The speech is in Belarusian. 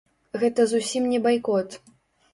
Гэта зусім не байкот.